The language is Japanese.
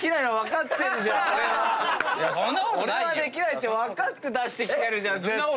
俺ができないって分かって出してきてるじゃん絶対！